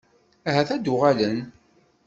Ahat ad d-uɣalen?